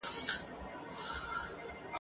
فیصله وکړه خالق د کایناتو ..